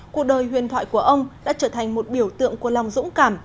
cuộc đời huyền thoại của ông đã trở thành một biểu tượng của lòng dũng cảm